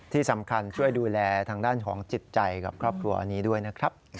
ที่สำคัญช่วยดูแลทางด้านของจิตใจกับครอบครัวอันนี้ด้วยนะครับ